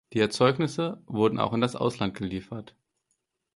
Die Erzeugnisse wurden auch in das Ausland geliefert.